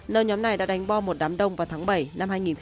nơi nhóm này đã đánh bo một đám đông vào tháng bảy năm hai nghìn hai mươi